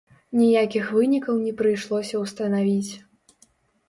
Ніякіх вынікаў не прыйшлося ўстанавіць.